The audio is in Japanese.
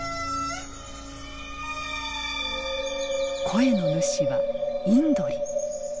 声の主はインドリ。